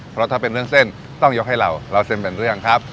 เพราะถ้าเป็นเรื่องเส้นต้องยกให้เราเล่าเส้นเป็นเรื่องครับ